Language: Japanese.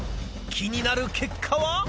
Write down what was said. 気になる結果は。